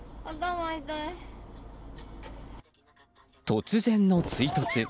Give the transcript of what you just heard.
突然の追突。